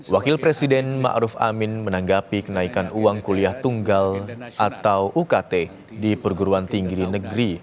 wakil presiden ⁇ maruf ⁇ amin menanggapi kenaikan uang kuliah tunggal atau ukt di perguruan tinggi negeri